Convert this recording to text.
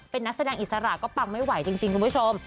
เป็นนักแสดงอิสระก็ปังไม่ไหวจริงคุณผู้ชม